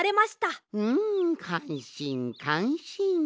んかんしんかんしん。